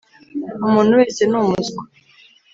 umuntu wese ni umuswa